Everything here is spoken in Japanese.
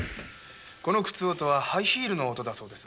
この靴音はハイヒールの音だそうです。